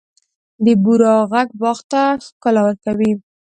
د بورا ږغ باغ ته ښکلا ورکوي.